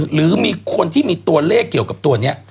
หรือมีคนที่มีตัวเลขเกี่ยวกับตัวนี้